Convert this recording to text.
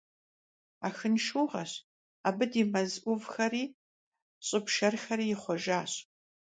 Ахын шыугъэщ, абы ди мэз Ӏувхэри щӀы пшэрхэри ихъуэжащ.